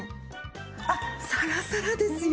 あっサラサラですよ。